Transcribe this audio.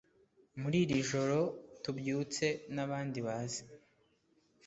muririjoro tubyutse nabandi baze